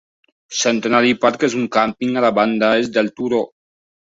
Centenary Park és un càmping a la banda est del turó.